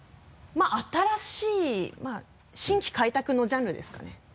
まぁ新しいまぁ新規開拓のジャンルですかね。